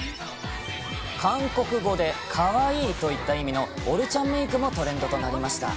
韓国語でかわいいといった意味のオルチャンメークもトレンドとなりました。